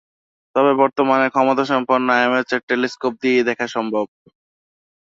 তবে বর্তমানের ক্ষমতাসম্পন্ন অ্যামেচার টেলিস্কোপ দিয়েই দেখা সম্ভব।